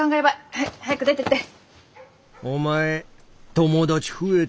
はい早く出てって。